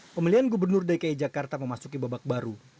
pemilihan gubernur dki jakarta memasuki babak baru